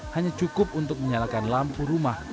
hanya cukup untuk menyalakan lampu rumah